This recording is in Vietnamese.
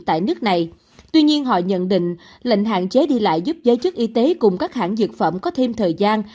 tuy nhiên họ nhận định lệnh hạn chế đi lại giúp giới chức y tế cùng các hãng dược phẩm có thêm thời gian